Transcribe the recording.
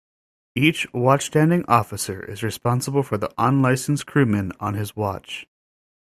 Each watchstanding officer is responsible for the unlicensed crewmen on his watch.